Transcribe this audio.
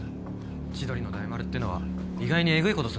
千鳥の大丸ってのは意外にえぐいことすんだな。